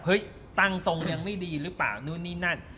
เฮ้ยตังค์ทรงเรียงไม่ดีหรือเปล่า